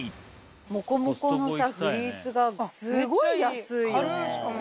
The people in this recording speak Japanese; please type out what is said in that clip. モコモコのさ、フリースがす軽い、しかも。